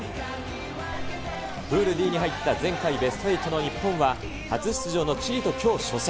プールＤに入った前回ベスト８の日本は、初出場のチリときょう初戦。